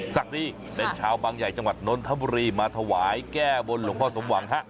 ศักดีเป็นชาวบางใหญ่จังหวัดนนทบุรีมาถวายแก้บนหลวงพ่อสมหวังฮะ